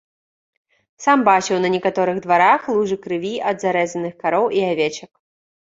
Сам бачыў на некаторых дварах лужы крыві ад зарэзаных кароў і авечак.